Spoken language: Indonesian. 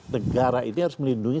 negara ini harus melindungi